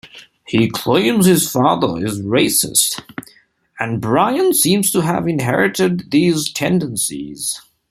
He claims his father is racist, and Brian seems to have inherited these tendencies.